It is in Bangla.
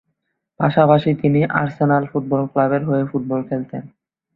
পাশাপাশি তিনি আর্সেনাল ফুটবল ক্লাবের হয়ে ফুটবল খেলতেন।